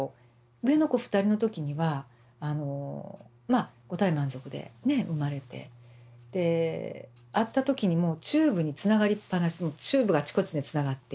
上の子２人の時にはあのまあ五体満足で生まれてで会った時にもチューブにつながりっぱなしチューブがあちこちでつながってる。